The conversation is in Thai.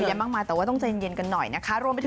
อยู่อย่างมากแต่ว่าต้องเย็นกันหน่อยนะคะ